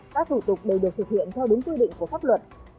các thủ tục đều được thực hiện theo đúng quy định của pháp luật